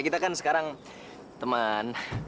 kita kan sekarang teman